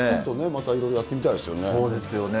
またいろいろやってみたいでそうですよね。